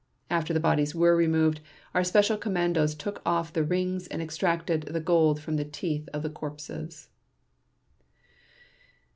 After the bodies were removed our special commandos took off the rings and extracted the gold from the teeth of the corpses."